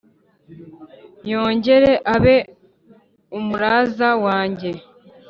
yongere abe umuraza wanjye